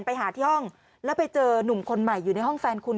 ไปหาที่ห้องแล้วไปเจอนุ่มคนใหม่อยู่ในห้องแฟนคุณ